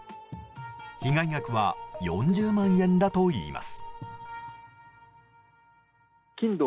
被害額は４０万円だといいます。